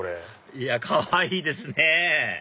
いやかわいいですね